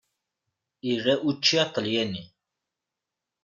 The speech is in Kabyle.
Ira učči aṭalyani.